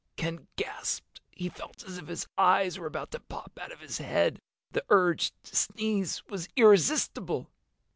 Ken gasped. He felt as if his eyes were about to pop out of his head. The urge to sneeze was irresistible.